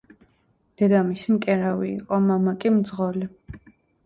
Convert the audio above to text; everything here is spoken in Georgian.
დედამისი მკერავი იყო, მამა კი მძღოლი.